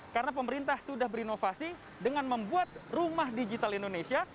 karena pemerintah sudah berinovasi dengan membuat rumah digital indonesia